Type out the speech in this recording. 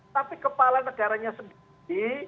tapi kepala negaranya sendiri